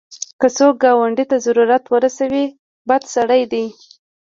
که څوک ګاونډي ته ضرر ورسوي، بد سړی دی